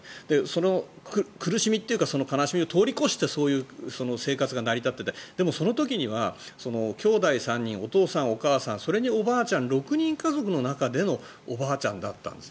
その苦しみというか悲しみを通り越してその生活が成り立っててでも、その時きょうだい３人お父さん、お母さんそれにおばあちゃん６人家族の中でのおばあちゃんだったんです。